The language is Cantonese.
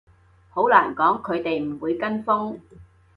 好難講，佢哋唔會跟風